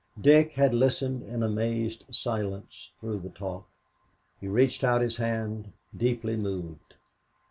Dick had listened in amazed silence through the talk. He reached out his hand, deeply moved.